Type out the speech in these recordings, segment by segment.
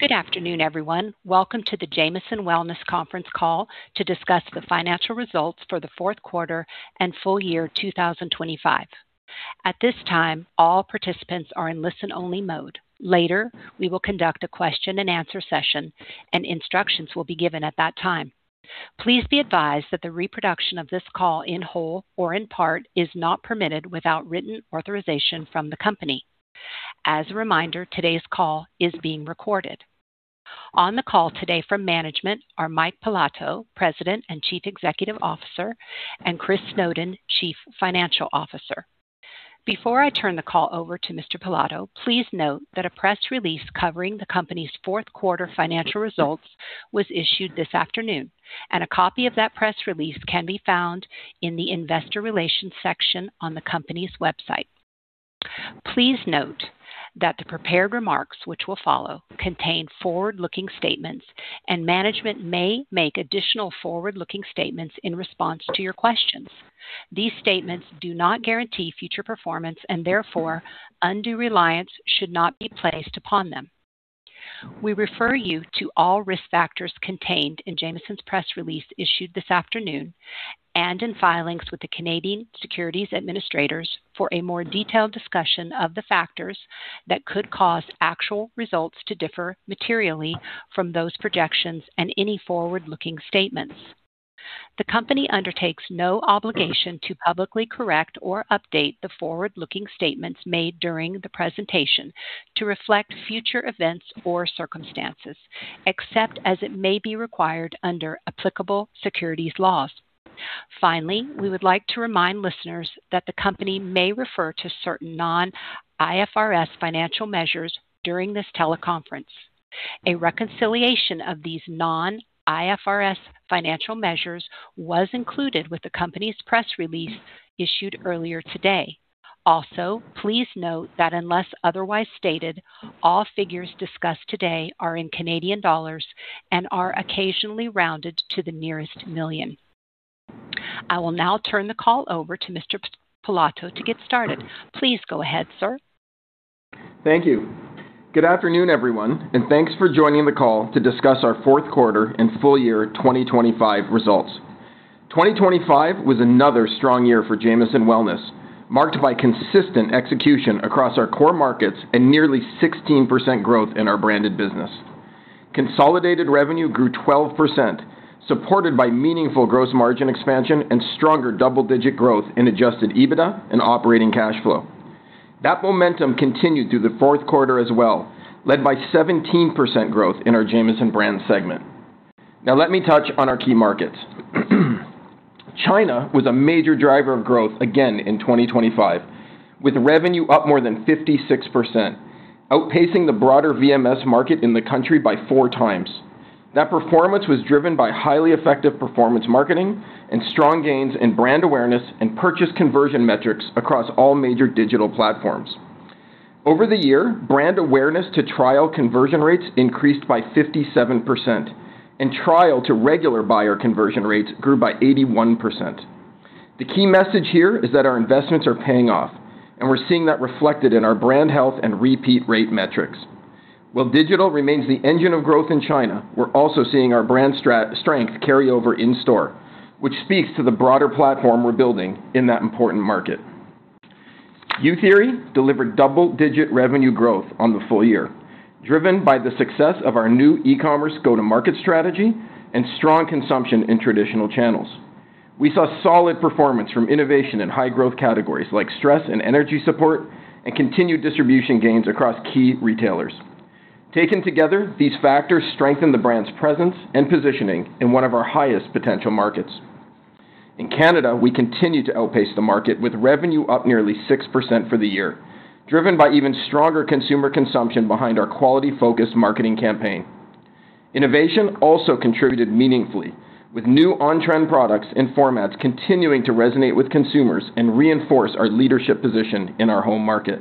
Good afternoon, everyone. Welcome to the Jamieson Wellness Conference call to discuss the financial results for the fourth quarter and full year 2025. At this time, all participants are in listen-only mode. Later, we will conduct a question-and-answer session, and instructions will be given at that time. Please be advised that the reproduction of this call in whole or in part is not permitted without written authorization from the company. As a reminder, today's call is being recorded. On the call today from management are Mike Pilato, President and Chief Executive Officer, and Chris Snowden, Chief Financial Officer. Before I turn the call over to Mr. Pilato, please note that a press release covering the company's fourth quarter financial results was issued this afternoon, and a copy of that press release can be found in the Investor Relations section on the company's website. Please note that the prepared remarks which will follow contain forward-looking statements and management may make additional forward-looking statements in response to your questions. These statements do not guarantee future performance and therefore undue reliance should not be placed upon them. We refer you to all risk factors contained in Jamieson's press release issued this afternoon and in filings with the Canadian Securities Administrators for a more detailed discussion of the factors that could cause actual results to differ materially from those projections and any forward-looking statements. The company undertakes no obligation to publicly correct or update the forward-looking statements made during the presentation to reflect future events or circumstances, except as it may be required under applicable securities laws. Finally, we would like to remind listeners that the company may refer to certain non-IFRS financial measures during this teleconference. A reconciliation of these non-IFRS financial measures was included with the company's press release issued earlier today. Please note that unless otherwise stated, all figures discussed today are in Canadian dollars and are occasionally rounded to the nearest million. I will now turn the call over to Mr. Pilato to get started. Please go ahead, sir. Thank you. Good afternoon, everyone, thanks for joining the call to discuss our fourth quarter and full year 2025 results. 2025 was another strong year for Jamieson Wellness, marked by consistent execution across our core markets and nearly 16% growth in our branded business. Consolidated revenue grew 12%, supported by meaningful gross margin expansion and stronger double-digit growth in Adjusted EBITDA and operating cash flow. That momentum continued through the fourth quarter as well, led by 17% growth in our Jamieson Brands segment. Let me touch on our key markets. China was a major driver of growth again in 2025, with revenue up more than 56%, outpacing the broader VMS market in the country by 4x. That performance was driven by highly effective performance marketing and strong gains in brand awareness and purchase conversion metrics across all major digital platforms. Over the year, brand awareness to trial conversion rates increased by 57% and trial to regular buyer conversion rates grew by 81%. The key message here is that our investments are paying off, and we're seeing that reflected in our brand health and repeat rate metrics. While digital remains the engine of growth in China, we're also seeing our brand strength carry over in-store, which speaks to the broader platform we're building in that important market. Youtheory delivered double-digit revenue growth on the full year, driven by the success of our new e-commerce go-to-market strategy and strong consumption in traditional channels. We saw solid performance from innovation in high growth categories like stress and energy support and continued distribution gains across key retailers. Taken together, these factors strengthen the brand's presence and positioning in one of our highest potential markets. In Canada, we continue to outpace the market, with revenue up nearly 6% for the year, driven by even stronger consumer consumption behind our quality-focused marketing campaign. Innovation also contributed meaningfully, with new on-trend products and formats continuing to resonate with consumers and reinforce our leadership position in our home market.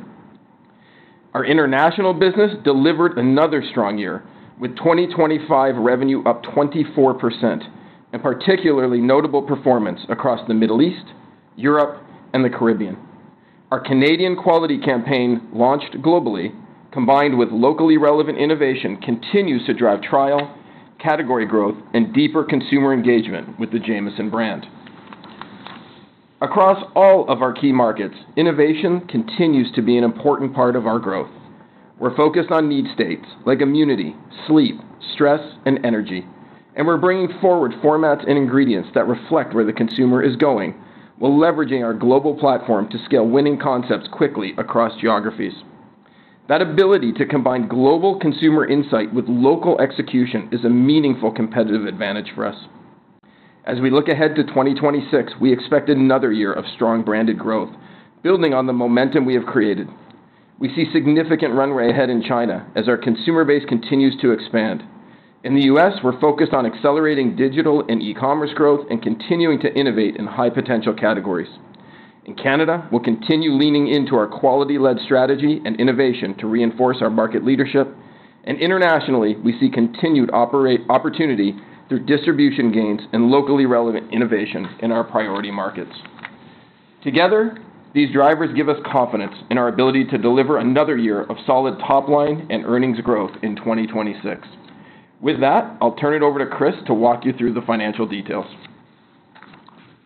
Our international business delivered another strong year, with 2025 revenue up 24% and particularly notable performance across the Middle East, Europe, and the Caribbean. Our Canadian quality campaign launched globally, combined with locally relevant innovation, continues to drive trial, category growth, and deeper consumer engagement with the Jamieson brand. Across all of our key markets, innovation continues to be an important part of our growth. We're focused on need states like immunity, sleep, stress, and energy. We're bringing forward formats and ingredients that reflect where the consumer is going while leveraging our global platform to scale winning concepts quickly across geographies. That ability to combine global consumer insight with local execution is a meaningful competitive advantage for us. As we look ahead to 2026, we expect another year of strong branded growth, building on the momentum we have created. We see significant runway ahead in China as our consumer base continues to expand. In the U.S., we're focused on accelerating digital and e-commerce growth and continuing to innovate in high-potential categories. In Canada, we'll continue leaning into our quality-led strategy and innovation to reinforce our market leadership. Internationally, we see continued opportunity through distribution gains and locally relevant innovation in our priority markets. Together, these drivers give us confidence in our ability to deliver another year of solid top line and earnings growth in 2026. With that, I'll turn it over to Chris to walk you through the financial details.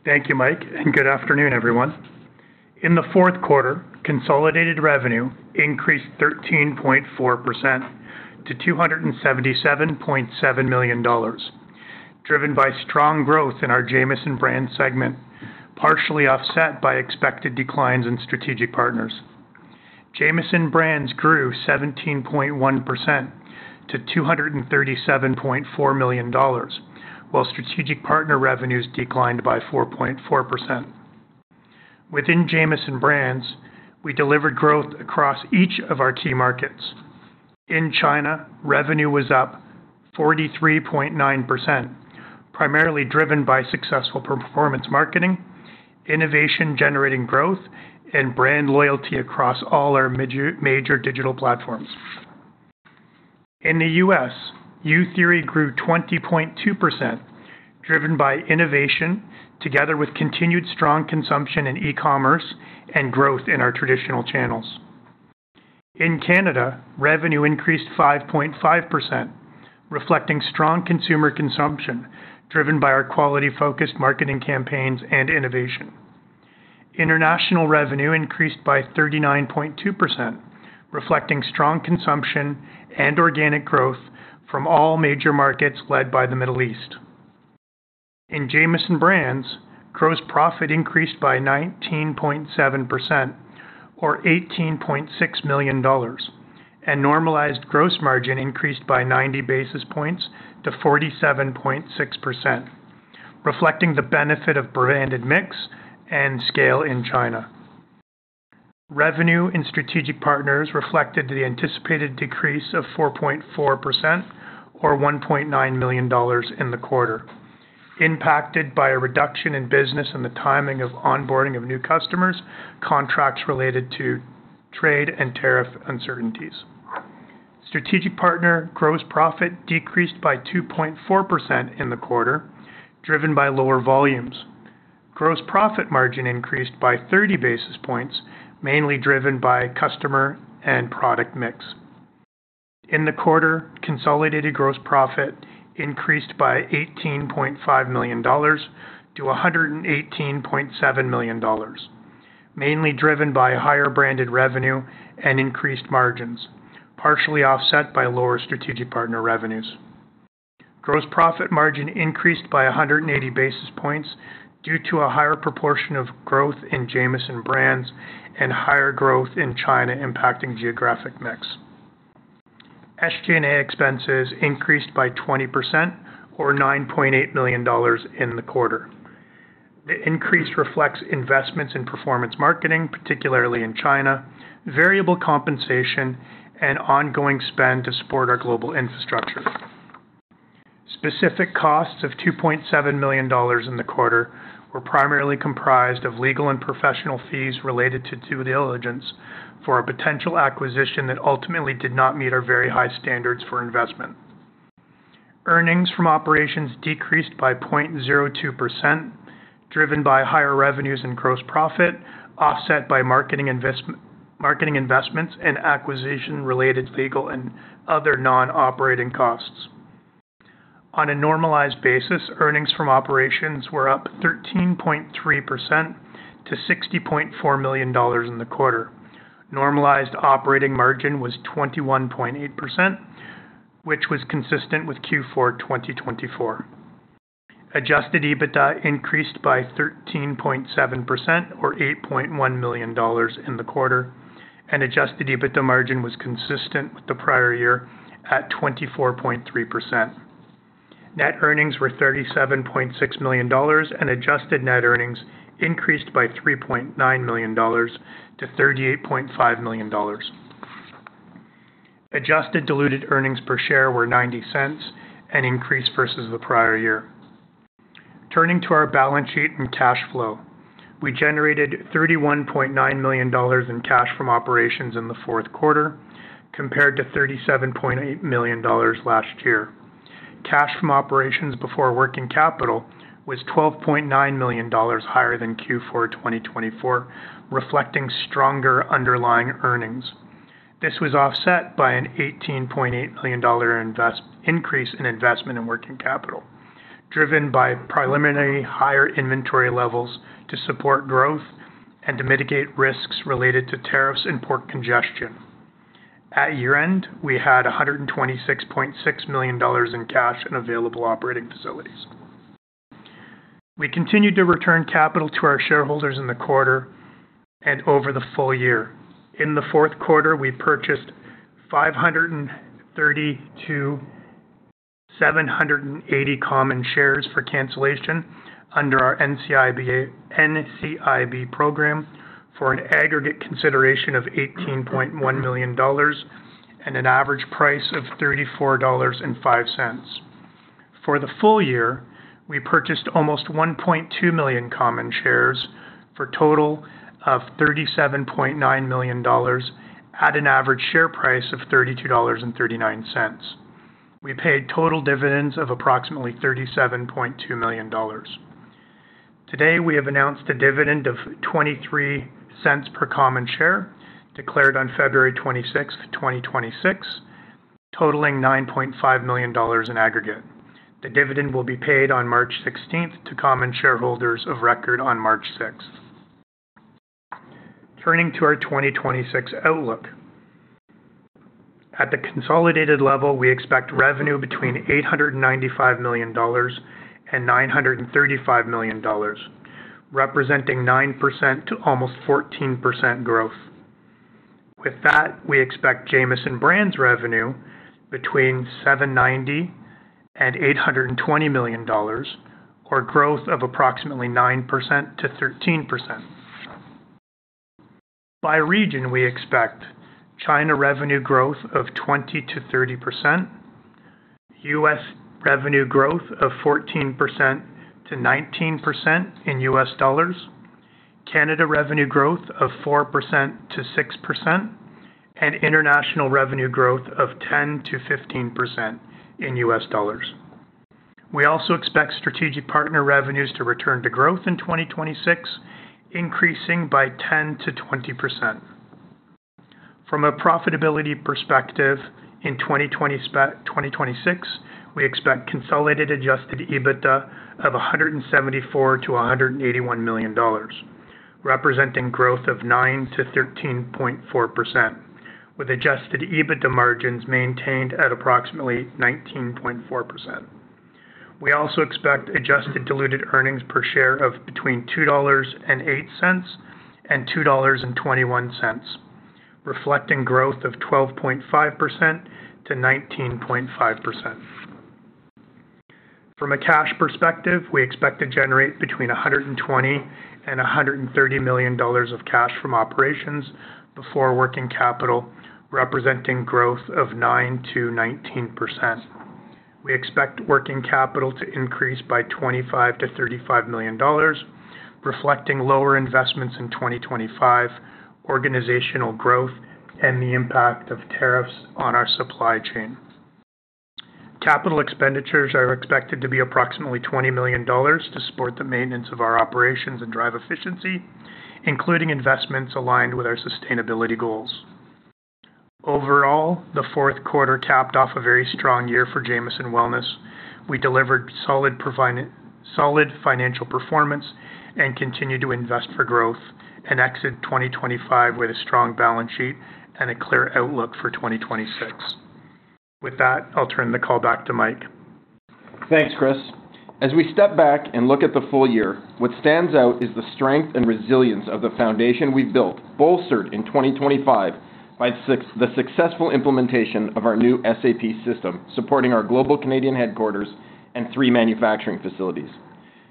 Thank you, Mike, good afternoon, everyone. In the fourth quarter, consolidated revenue increased 13.4% to 277.7 million dollars, driven by strong growth in our Jamieson Brands segment, partially offset by expected declines in strategic partners. Jamieson Brands grew 17.1% to 237.4 million dollars, while strategic partner revenues declined by 4.4%. Within Jamieson Brands, we delivered growth across each of our key markets. In China, revenue was up 43.9%, primarily driven by successful performance marketing, innovation generating growth, and brand loyalty across all our major digital platforms. In the U.S., youtheory grew 20.2%, driven by innovation together with continued strong consumption in e-commerce and growth in our traditional channels. In Canada, revenue increased 5.5%, reflecting strong consumer consumption driven by our quality focused marketing campaigns and innovation. International revenue increased by 39.2%, reflecting strong consumption and organic growth from all major markets led by the Middle East. In Jamieson Brands, gross profit increased by 19.7%, or 18.6 million dollars, and normalized gross margin increased by 90 basis points to 47.6%, reflecting the benefit of branded mix and scale in China. Revenue in strategic partners reflected the anticipated decrease of 4.4% or 1.9 million dollars in the quarter, impacted by a reduction in business and the timing of onboarding of new customers, contracts related to trade and tariff uncertainties. Strategic partner gross profit decreased by 2.4% in the quarter, driven by lower volumes. Gross profit margin increased by 30 basis points, mainly driven by customer and product mix. In the quarter, consolidated gross profit increased by 18.5 million dollars to 118.7 million dollars, mainly driven by higher branded revenue and increased margins, partially offset by lower strategic partner revenues. Gross profit margin increased by 180 basis points due to a higher proportion of growth in Jamieson Brands and higher growth in China, impacting geographic mix. SG&A expenses increased by 20% or 9.8 million dollars in the quarter. The increase reflects investments in performance marketing, particularly in China, variable compensation, and ongoing spend to support our global infrastructure. Specific costs of 2.7 million dollars in the quarter were primarily comprised of legal and professional fees related to due diligence for a potential acquisition that ultimately did not meet our very high standards for investment. Earnings from operations decreased by 0.02%, driven by higher revenues and gross profit, offset by marketing investments and acquisition related legal and other non-operating costs. On a normalized basis, earnings from operations were up 13.3% to 60.4 million dollars in the quarter. Normalized operating margin was 21.8%, which was consistent with Q4 2024. Adjusted EBITDA increased by 13.7% or 8.1 million dollars in the quarter, and Adjusted EBITDA margin was consistent with the prior year at 24.3%. Net earnings were 37.6 million dollars, and adjusted net earnings increased by 3.9 million dollars to 38.5 million dollars. Adjusted diluted earnings per share were 0.90 and increased versus the prior year. Turning to our balance sheet and cash flow. We generated 31.9 million dollars in cash from operations in the fourth quarter compared to 37.8 million dollars last year. Cash from operations before working capital was 12.9 million dollars higher than Q4 2024, reflecting stronger underlying earnings. This was offset by an 18.8 million dollar increase in investment in working capital, driven by preliminary higher inventory levels to support growth and to mitigate risks related to tariffs and port congestion. At year-end, we had 126.6 million dollars in cash and available operating facilities. We continued to return capital to our shareholders in the quarter and over the full year. In the fourth quarter, we purchased 530 to 780 common shares for cancellation under our NCIB program for an aggregate consideration of 18.1 million dollars and an average price of 34.05 dollars. For the full year, we purchased almost 1.2 million common shares for a total of 37.9 million dollars at an average share price of 32.39 dollars. We paid total dividends of approximately 37.2 million dollars. Today, we have announced a dividend of 0.23 per common share, declared on February 26, 2026, totaling 9.5 million dollars in aggregate. The dividend will be paid on March 16th to common shareholders of record on March 6th. Turning to our 2026 outlook. At the consolidated level, we expect revenue between 895 million dollars and 935 million dollars, representing 9% to almost 14% growth. We expect Jamieson Brands revenue between 790 million and 820 million dollars, or growth of approximately 9%-13%. By region, we expect China revenue growth of 20%-30%, U.S. revenue growth of 14%-19% U.S. dollars, canada revenue growth of 4%-6%, and international revenue growth of 10%-15% U.S. dollars. we also expect strategic partner revenues to return to growth in 2026, increasing by 10%-20%. From a profitability perspective, in 2026, we expect consolidated Adjusted EBITDA of 174 million-181 million dollars, representing growth of 9%-13.4%, with Adjusted EBITDA margins maintained at approximately 19.4%. We also expect adjusted diluted earnings per share of between 2.08 dollars and 2.21 dollars, reflecting growth of 12.5%-19.5%. From a cash perspective, we expect to generate between 120 million and 130 million dollars of cash from operations before working capital, representing growth of 9%-19%. We expect working capital to increase by 25 million-35 million dollars, reflecting lower investments in 2025, organizational growth, and the impact of tariffs on our supply chain. Capital expenditures are expected to be approximately 20 million dollars to support the maintenance of our operations and drive efficiency, including investments aligned with our sustainability goals. Overall, the fourth quarter capped off a very strong year for Jamieson Wellness. We delivered solid financial performance and continued to invest for growth, and exit 2025 with a strong balance sheet and a clear outlook for 2026. With that, I'll turn the call back to Mike. Thanks, Chris. As we step back and look at the full year, what stands out is the strength and resilience of the foundation we've built, bolstered in 2025 by the successful implementation of our new SAP system, supporting our global Canadian headquarters and three manufacturing facilities.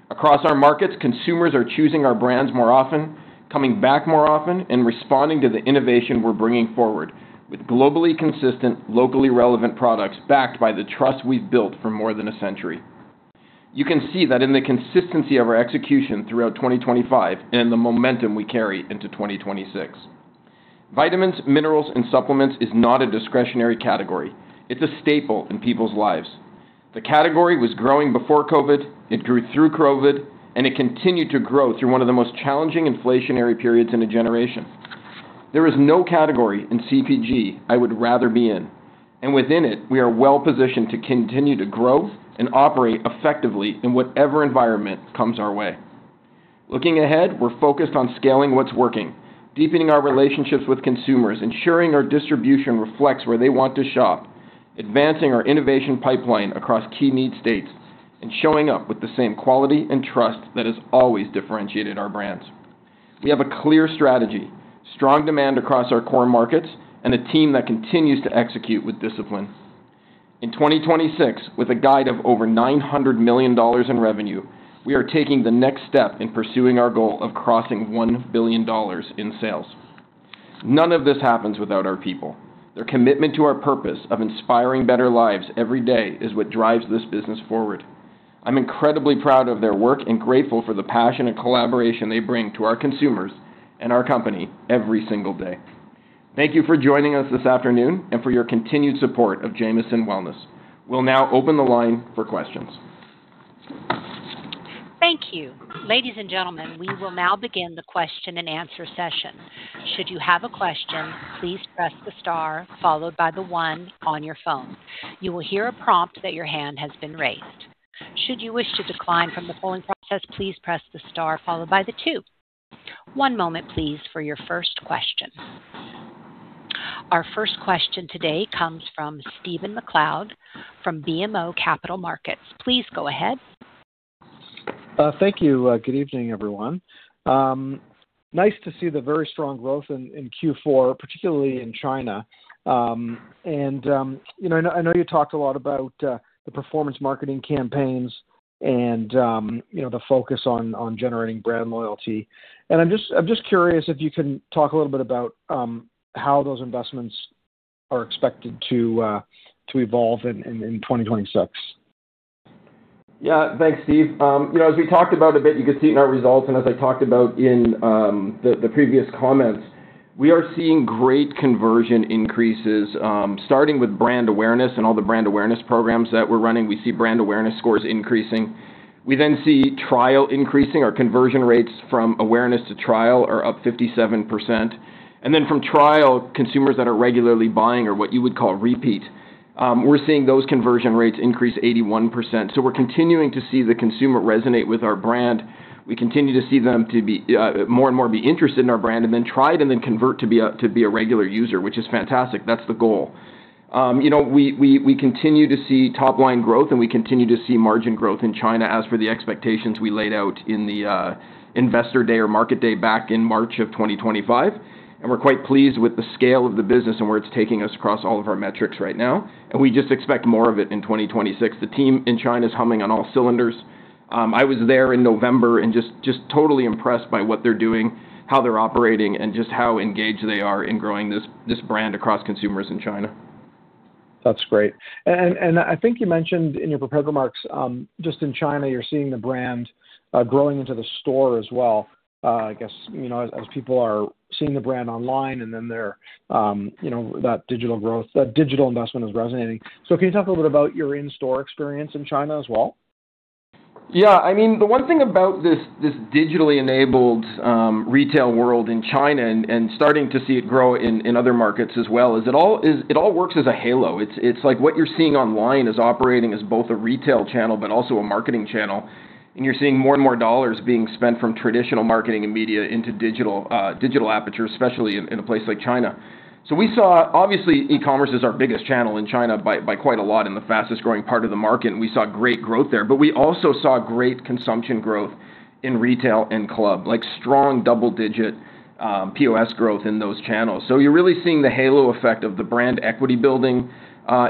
Across our markets, consumers are choosing our brands more often, coming back more often, and responding to the innovation we're bringing forward with globally consistent, locally relevant products backed by the trust we've built for more than a century. You can see that in the consistency of our execution throughout 2025 and the momentum we carry into 2026. Vitamins, minerals, and supplements is not a discretionary category. It's a staple in people's lives. The category was growing before COVID, it grew through COVID, and it continued to grow through one of the most challenging inflationary periods in a generation. There is no category in CPG I would rather be in, and within it, we are well-positioned to continue to grow and operate effectively in whatever environment comes our way. Looking ahead, we're focused on scaling what's working, deepening our relationships with consumers, ensuring our distribution reflects where they want to shop, advancing our innovation pipeline across key need states, and showing up with the same quality and trust that has always differentiated our brands. We have a clear strategy, strong demand across our core markets, and a team that continues to execute with discipline. In 2026, with a guide of over 900 million dollars in revenue, we are taking the next step in pursuing our goal of crossing 1 billion dollars in sales. None of this happens without our people. Their commitment to our purpose of inspiring better lives every day is what drives this business forward. I'm incredibly proud of their work and grateful for the passion and collaboration they bring to our consumers and our company every single day. Thank you for joining us this afternoon and for your continued support of Jamieson Wellness. We'll now open the line for questions. Thank you. Ladies and gentlemen, we will now begin the question and answer session. Should you have a question, please press the star followed by the one on your phone. You will hear a prompt that your hand has been raised. Should you wish to decline from the polling process, please press the star followed by the two. One moment, please, for your first question. Our first question today comes from Stephen MacLeod from BMO Capital Markets. Please go ahead. Thank you. Good evening, everyone. Nice to see the very strong growth in Q4, particularly in China. You know, I know you talked a lot about the performance marketing campaigns and, you know, the focus on generating brand loyalty. I'm just curious if you can talk a little bit about how those investments are expected to evolve in 2026. Thanks, Steve. you know, as we talked about a bit, you can see it in our results and as I talked about in the previous comments, we are seeing great conversion increases, starting with brand awareness and all the brand awareness programs that we're running. We see brand awareness scores increasing. We then see trial increasing. Our conversion rates from awareness to trial are up 57%. From trial, consumers that are regularly buying or what you would call repeat, we're seeing those conversion rates increase 81%. We're continuing to see the consumer resonate with our brand. We continue to see them to be more and more interested in our brand and then try it and then convert to be a regular user, which is fantastic. That's the goal. You know, we continue to see top-line growth and we continue to see margin growth in China as for the expectations we laid out in the investor day or market day back in March 2025. We're quite pleased with the scale of the business and where it's taking us across all of our metrics right now. We just expect more of it in 2026. The team in China is humming on all cylinders. I was there in November and just totally impressed by what they're doing, how they're operating, and just how engaged they are in growing this brand across consumers in China. That's great. I think you mentioned in your prepared remarks, just in China, you're seeing the brand growing into the store as well. I guess, you know, as people are seeing the brand online and then they're, you know, that digital investment is resonating. Can you talk a little bit about your in-store experience in China as well? Yeah. I mean, the one thing about this digitally enabled retail world in China and starting to see it grow in other markets as well, it all works as a halo. It's like what you're seeing online is operating as both a retail channel but also a marketing channel, and you're seeing more and more dollars being spent from traditional marketing and media into digital apertures, especially in a place like China. We saw obviously, e-commerce is our biggest channel in China by quite a lot in the fastest-growing part of the market, and we saw great growth there. We also saw great consumption growth in retail and club, like strong double-digit POS growth in those channels. You're really seeing the halo effect of the brand equity building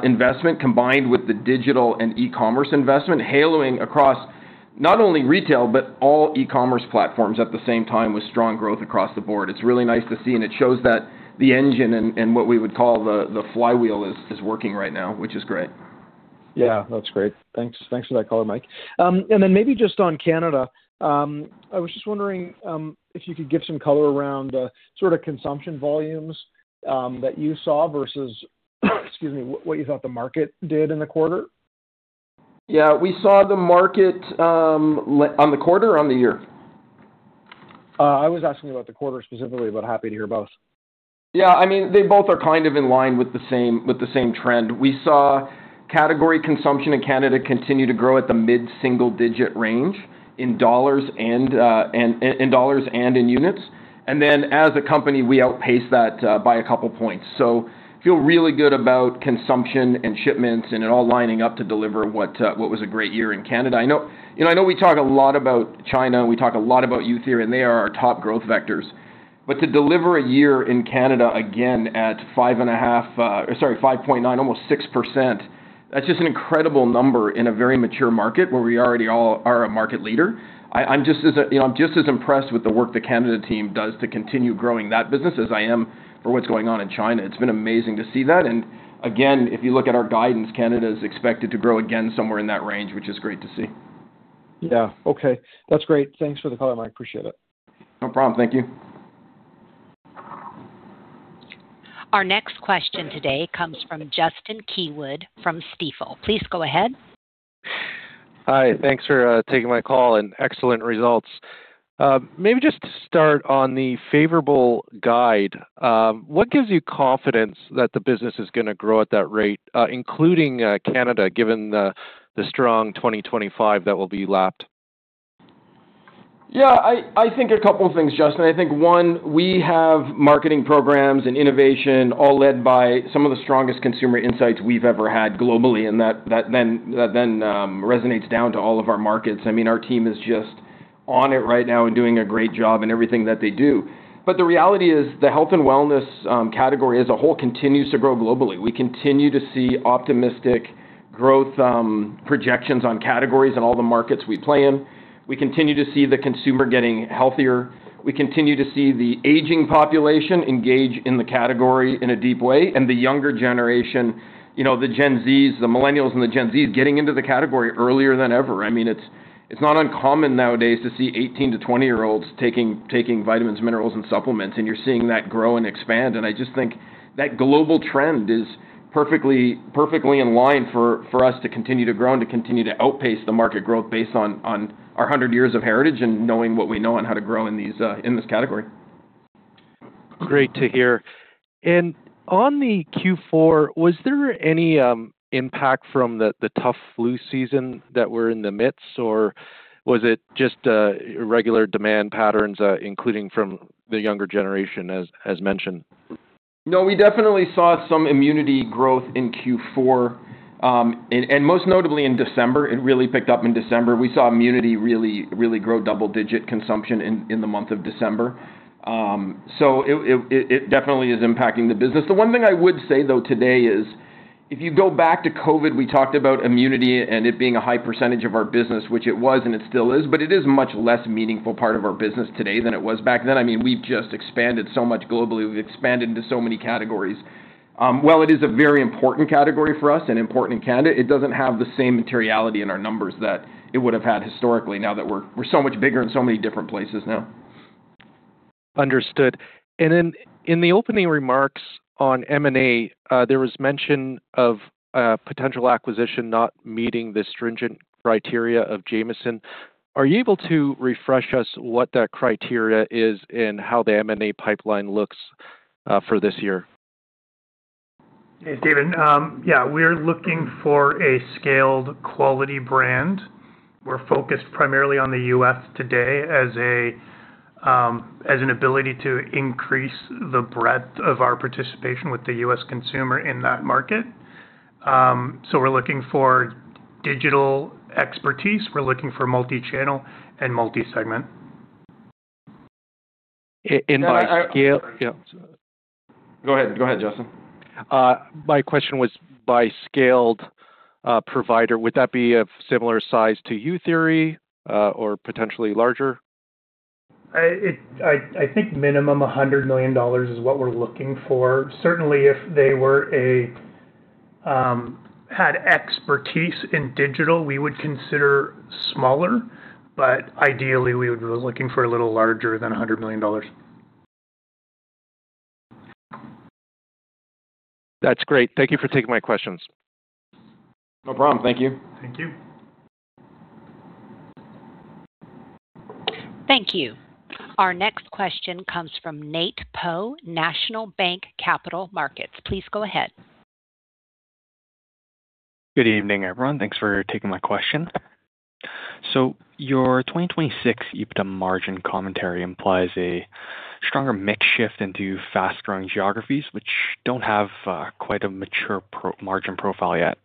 investment combined with the digital and e-commerce investment haloing across not only retail, but all e-commerce platforms at the same time with strong growth across the board. It's really nice to see, and it shows that the engine and what we would call the flywheel is working right now, which is great. Yeah. That's great. Thanks. Thanks for that color, Mike. Then maybe just on Canada, I was just wondering, if you could give some color around the sort of consumption volumes, that you saw versus, excuse me, what you thought the market did in the quarter. Yeah. We saw the market, on the quarter or on the year? I was asking about the quarter specifically, but happy to hear both. Yeah. I mean, they both are kind of in line with the same, with the same trend. We saw category consumption in Canada continue to grow at the mid-single digit range in dollars and in units. As a company, we outpace that by a couple points. Feel really good about consumption and shipments and it all lining up to deliver what was a great year in Canada. You know, I know we talk a lot about China, and we talk a lot about youtheory, and they are our top growth vectors. To deliver a year in Canada, again at 5.5%, sorry, 5.9%, almost 6%, that's just an incredible number in a very mature market where we already are a market leader. I'm just as, you know, I'm just as impressed with the work the Canada team does to continue growing that business as I am for what's going on in China. It's been amazing to see that. Again, if you look at our guidance, Canada is expected to grow again somewhere in that range, which is great to see. Yeah. Okay. That's great. Thanks for the color, Mike. I appreciate it. No problem. Thank you. Our next question today comes from Justin Keywood from Stifel. Please go ahead. Hi. Thanks for taking my call and excellent results. Maybe just to start on the favorable guide, what gives you confidence that the business is gonna grow at that rate, including Canada, given the strong 2025 that will be lapped? I think a couple of things, Justin. I think, one, we have marketing programs and innovation all led by some of the strongest consumer insights we've ever had globally, and that then resonates down to all of our markets. I mean, our team is just on it right now and doing a great job in everything that they do. The reality is the health and wellness category as a whole continues to grow globally. We continue to see optimistic growth projections on categories in all the markets we play in. We continue to see the consumer getting healthier. We continue to see the aging population engage in the category in a deep way, and the younger generation, you know, the Gen Zs, the millennials and the Gen Zs getting into the category earlier than ever. I mean, it's not uncommon nowadays to see 18-20-year-olds taking vitamins, minerals, and supplements, and you're seeing that grow and expand. I just think that global trend is perfectly in line for us to continue to grow and to continue to outpace the market growth based on our 100 years of heritage and knowing what we know on how to grow in these in this category. Great to hear. On the Q4, was there any impact from the tough flu season that we're in the midst, or was it just regular demand patterns, including from the younger generation as mentioned? No, we definitely saw some immunity growth in Q4, and most notably in December. It really picked up in December. We saw immunity really grow double-digit consumption in the month of December. It, it definitely is impacting the business. The one thing I would say though today is, if you go back to COVID, we talked about immunity and it being a high percentage of our business, which it was and it still is, but it is much less meaningful part of our business today than it was back then. I mean, we've just expanded so much globally. We've expanded into so many categories. Well, it is a very important category for us and important in Canada. It doesn't have the same materiality in our numbers that it would have had historically now that we're so much bigger in so many different places now. Understood. In the opening remarks on M&A, there was mention of a potential acquisition not meeting the stringent criteria of Jamieson. Are you able to refresh us what that criteria is and how the M&A pipeline looks for this year? Hey, Justin. Yeah, we're looking for a scaled quality brand. We're focused primarily on the U.S. today as an ability to increase the breadth of our participation with the U.S. consumer in that market. We're looking for digital expertise. We're looking for multi-channel and multi-segment. by scale. Yeah. Go ahead. Go ahead, Justin. My question was by scaled provider, would that be of similar size to youtheory, or potentially larger? I think minimum 100 million dollars is what we're looking for. Certainly, if they were a had expertise in digital, we would consider smaller, but ideally we would be looking for a little larger than 100 million dollars. That's great. Thank you for taking my questions. No problem. Thank you. Thank you. Thank you. Our next question comes from Nate Po, National Bank Capital Markets. Please go ahead. Good evening, everyone. Thanks for taking my question. Your 2026 EBITDA margin commentary implies a stronger mix shift into fast-growing geographies, which don't have quite a mature margin profile yet.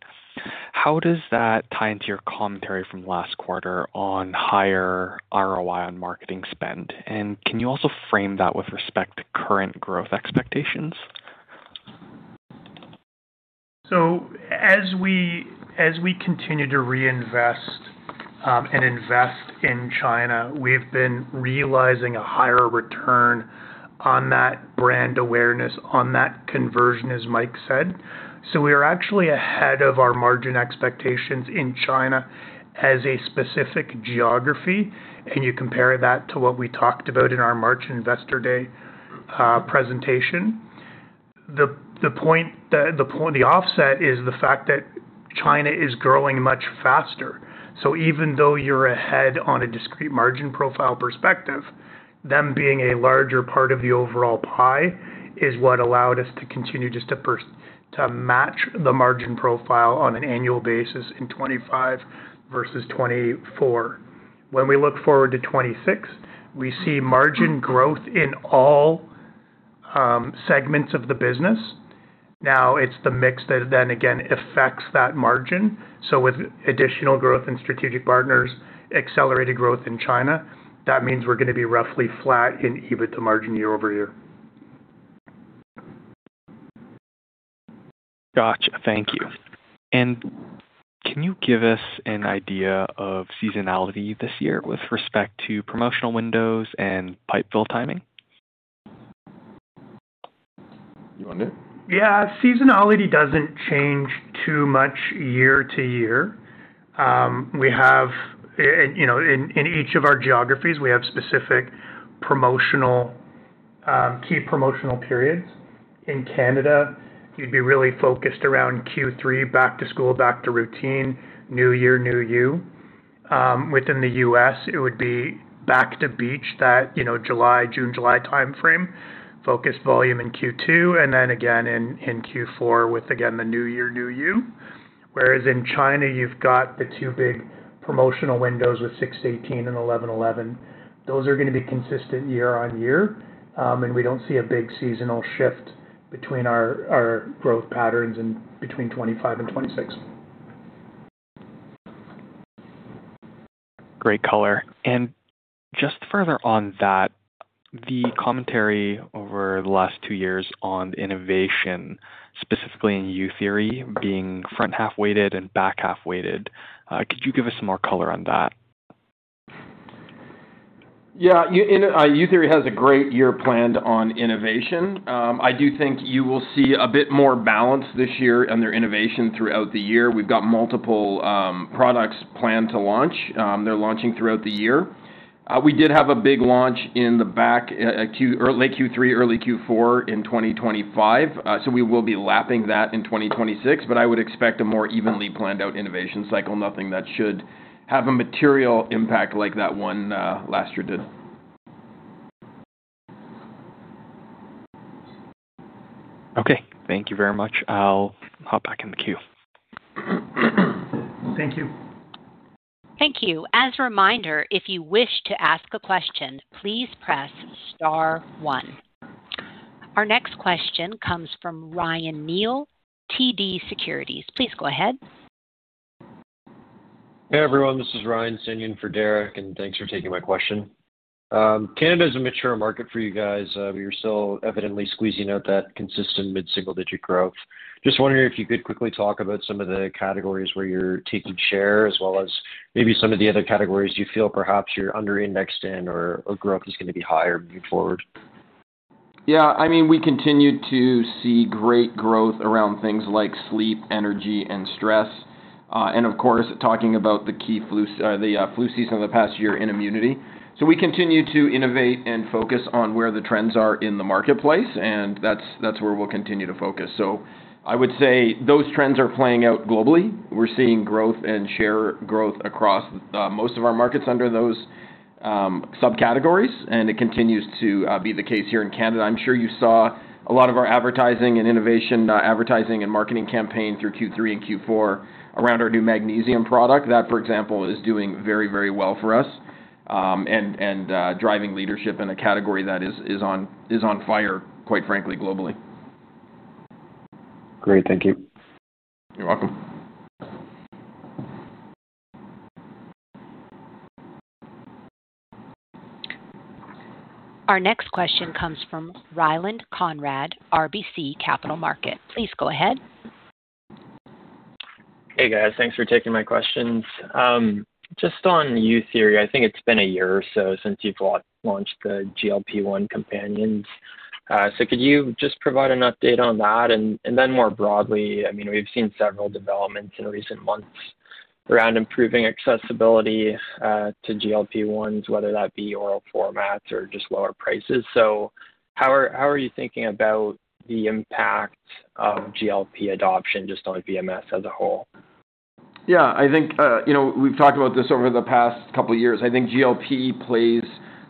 How does that tie into your commentary from last quarter on higher ROI on marketing spend? Can you also frame that with respect to current growth expectations? As we continue to reinvest and invest in China, we've been realizing a higher return on that brand awareness on that conversion, as Mike said. We are actually ahead of our margin expectations in China as a specific geography, and you compare that to what we talked about in our March investor day presentation. The point, the offset is the fact that China is growing much faster. Even though you're ahead on a discrete margin profile perspective, them being a larger part of the overall pie is what allowed us to continue just to match the margin profile on an annual basis in 2025 versus 2024. When we look forward to 2026, we see margin growth in all segments of the business. Now it's the mix that then again affects that margin. With additional growth in strategic partners, accelerated growth in China, that means we're gonna be roughly flat in EBITDA margin year-over-year. Gotcha. Thank you. Can you give us an idea of seasonality this year with respect to promotional windows and pipe fill timing? You want it? Yeah. Seasonality doesn't change too much year to year. We have, you know, in each of our geographies, we have specific promotional, key promotional periods. In Canada, you'd be really focused around Q3, Back to School, Back to Routine, New Year, New You. Within the U.S., it would be Back to Beach that, you know, July, June, July timeframe, focus volume in Q2 and then again in Q4 with again the New Year, New You. Whereas in China, you've got the two big promotional windows with 618 and 11.11. Those are gonna be consistent year-on-year, and we don't see a big seasonal shift between our growth patterns in between 2025 and 2026. Great color. Just further on that, the commentary over the last two years on innovation, specifically in youtheory being front half weighted and back half weighted, could you give us some more color on that? Youtheory has a great year planned on innovation. I do think you will see a bit more balance this year on their innovation throughout the year. We've got multiple products planned to launch. They're launching throughout the year. We did have a big launch in the back or late Q3, early Q4 in 2025, so we will be lapping that in 2026, but I would expect a more evenly planned out innovation cycle. Nothing that should have a material impact like that one last year did. Okay. Thank you very much. I'll hop back in the queue. Thank you. Thank you. As a reminder, if you wish to ask a question, please press star one. Our next question comes from Ryan Neal, TD Securities. Please go ahead. Hey, everyone, this is Ryan standing in for Derek. Thanks for taking my question. Canada is a mature market for you guys. You're still evidently squeezing out that consistent mid-single-digit growth. Just wondering if you could quickly talk about some of the categories where you're taking share as well as maybe some of the other categories you feel perhaps you're under-indexed in or growth is gonna be higher moving forward. Yeah, I mean, we continue to see great growth around things like sleep, energy, and stress. Of course, talking about the key flu season of the past year in immunity. We continue to innovate and focus on where the trends are in the marketplace, and that's where we'll continue to focus. I would say those trends are playing out globally. We're seeing growth and share growth across most of our markets under those subcategories, and it continues to be the case here in Canada. I'm sure you saw a lot of our advertising and innovation, advertising and marketing campaign through Q3 and Q4 around our new magnesium product. That, for example, is doing very, very well for us, and driving leadership in a category that is on fire, quite frankly, globally. Great. Thank you. You're welcome. Our next question comes from Ryland Conrad, RBC Capital Markets. Please go ahead. Hey, guys. Thanks for taking my questions. Just on youtheory, I think it's been a year or so since you've launched the GLP-1 companions. Could you just provide an update on that? Then more broadly, I mean, we've seen several developments in recent months around improving accessibility to GLP-1s, whether that be oral formats or just lower prices. How are you thinking about the impact of GLP adoption just on VMS as a whole? Yeah. I think, you know, we've talked about this over the past couple of years. I think GLP plays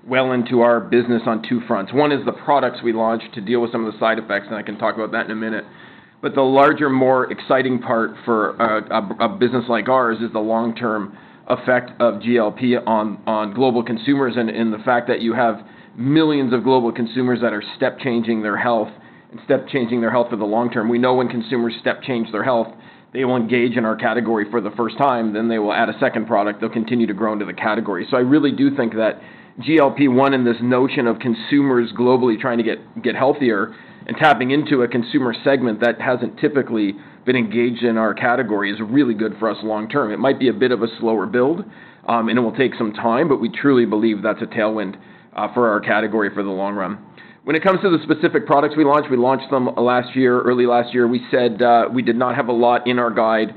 well into our business on two fronts. One is the products we launched to deal with some of the side effects, and I can talk about that in a minute. The larger, more exciting part for a business like ours is the long-term effect of GLP on global consumers and the fact that you have millions of global consumers that are step changing their health and step changing their health for the long term. We know when consumers step change their health, they will engage in our category for the first time, then they will add a second product. They'll continue to grow into the category. I really do think that GLP-1 and this notion of consumers globally trying to get healthier and tapping into a consumer segment that hasn't typically been engaged in our category is really good for us long term. It might be a bit of a slower build, and it will take some time, but we truly believe that's a tailwind for our category for the long run. When it comes to the specific products we launched, we launched them last year, early last year. We said, we did not have a lot in our guide.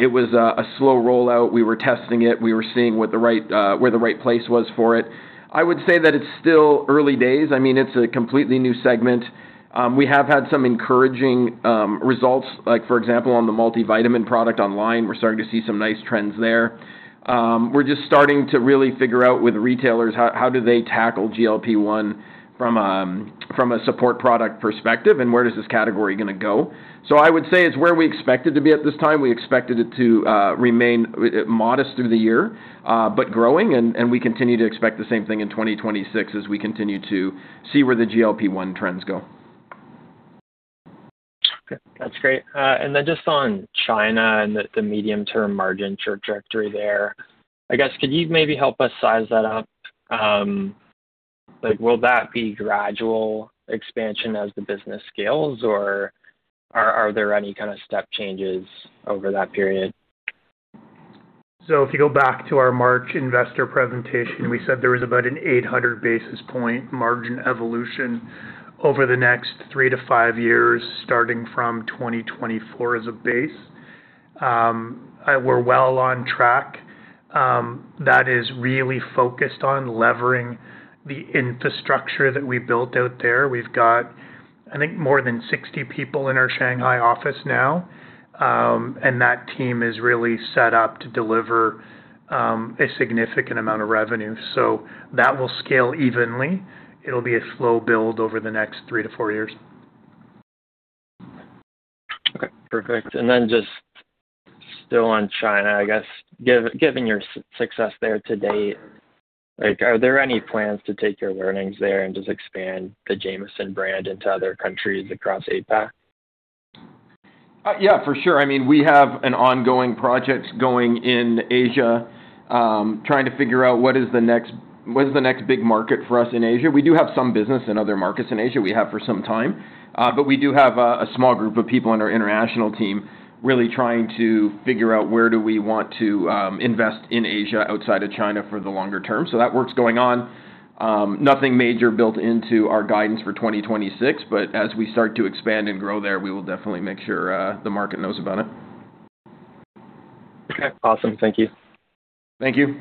It was a slow rollout. We were testing it. We were seeing where the right place was for it. I would say that it's still early days. I mean, it's a completely new segment. We have had some encouraging results, like, for example, on the multivitamin product online. We're starting to see some nice trends there. We're just starting to really figure out with retailers how do they tackle GLP-1 from a support product perspective, and where does this category gonna go. I would say it's where we expect it to be at this time. We expected it to remain modest through the year, but growing, and we continue to expect the same thing in 2026 as we continue to see where the GLP-1 trends go. That's great. And then just on China and the medium-term margin trajectory there, I guess could you maybe help us size that up? Like, will that be gradual expansion as the business scales, or are there any kinda step changes over that period? If you go back to our March investor presentation, we said there was about an 800 basis point margin evolution over the next three to five years, starting from 2024 as a base. We're well on track. That is really focused on levering the infrastructure that we built out there. We've got, I think, more than 60 people in our Shanghai office now, and that team is really set up to deliver a significant amount of revenue. That will scale evenly. It'll be a slow build over the next three to four years. Okay. Perfect. Just still on China, I guess, given your success there to date, like, are there any plans to take your learnings there and just expand the Jamieson brand into other countries across APAC? Yeah, for sure. I mean, we have an ongoing project going in Asia, trying to figure out what is the next big market for us in Asia. We do have some business in other markets in Asia. We have for some time, but we do have a small group of people on our international team really trying to figure out where do we want to invest in Asia outside of China for the longer term. That work's going on. Nothing major built into our guidance for 2026, but as we start to expand and grow there, we will definitely make sure the market knows about it. Okay. Awesome. Thank you. Thank you.